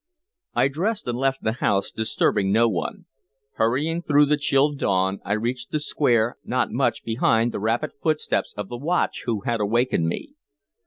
I dressed and left the house, disturbing no one. Hurrying through the chill dawn, I reached the square not much behind the rapid footsteps of the watch who had wakened me.